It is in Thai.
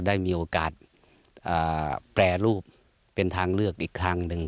ได้มีโอกาสแปรรูปเป็นทางเลือกอีกทางหนึ่ง